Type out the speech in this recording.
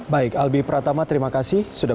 baik albi pratama terima kasih sudah